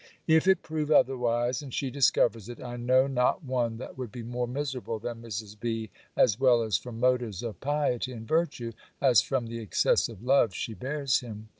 If it prove otherwise, and she discovers it, I know not one that would be more miserable than Mrs. B., as well from motives of piety and virtue, as from the excessive love she bears him.